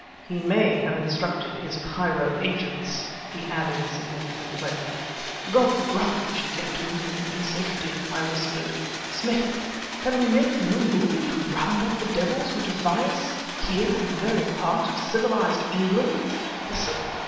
"He may have instructed his Cairo agents," he added significantly. "God grant she get to England in safety," I whispered. "Smith! can we make no move to round up the devils who defy us, here in the very heart of civilized England? Listen.